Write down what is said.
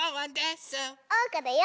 おうかだよ！